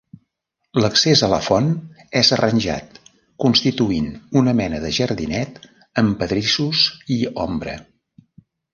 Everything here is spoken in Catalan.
L'accés a la font és arranjat, constituint una mena de jardinet, amb pedrissos i ombra.